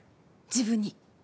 自分に。